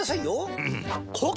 うん！